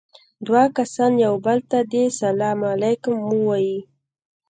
دوه کسان يو بل ته دې سلام عليکم ووايي.